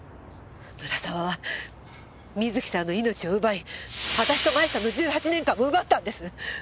村沢は瑞希さんの命を奪い私と麻衣さんの１８年間を奪ったんです！